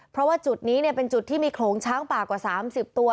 เพราะว่าจุดนี้เป็นจุดที่มีโขลงช้างป่ากว่า๓๐ตัว